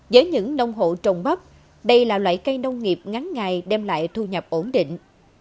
với những nông hộ trồng bắp đây là loại cây nông nghiệp ngắn ngày đem lại thu nhập ổn định